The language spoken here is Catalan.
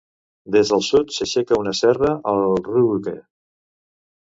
Des del sud s'aixeca una serra, el Ruuge.